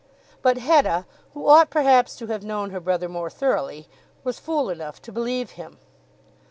But Hetta, who ought perhaps to have known her brother more thoroughly, was fool enough to believe him.